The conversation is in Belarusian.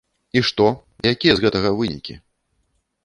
І што, якія з гэтага вынікі?